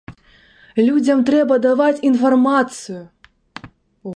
Людзям трэба даваць інфармацыю!